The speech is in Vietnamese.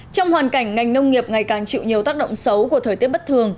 trong hoàn cảnh ngành nông nghiệp ngày càng chịu nhiều tác động xấu của thời tiết bất thường